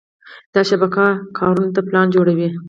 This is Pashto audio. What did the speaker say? دا شبکه کارونو ته پلان جوړوي.